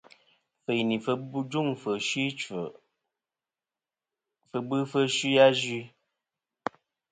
Fɨ̀yìnì fɨ jûŋfɨ̀ fsɨ ɨchfɨ, fɨ bɨfɨ fsɨ azue.